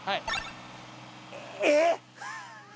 えっ！？